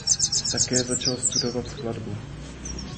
Také začal studovat skladbu.